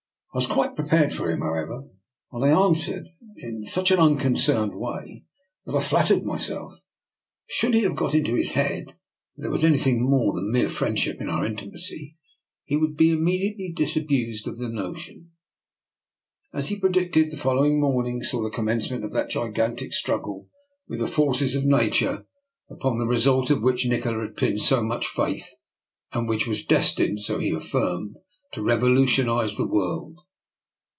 I was quite prepared for him, however, and answered in such an unconcerned way that I flattered my self, should he have got into his head that there was anything more than mere friendship in our intimacy, he would be immediately dis abused of the notion. As he predicted, the following morning saw the commencement of that gigantic struggle with the forces of Nature, upon the result of which Nikola had pinned so much faith and which was destined, so he affirmed, to revolutionize the world.